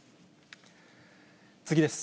次です。